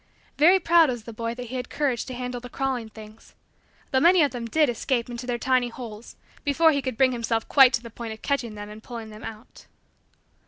Very proud was the boy that he had courage to handle the crawling things though many of them did escape into their tiny holes before he could bring himself quite to the point of catching them and pulling them out.